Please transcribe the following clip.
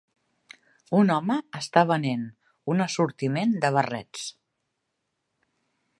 Un home està venent un assortiment de barrets.